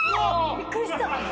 びっくりした！？